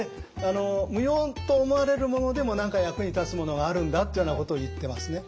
無用と思われるものでも何か役に立つものがあるんだっていうようなことを言ってますね。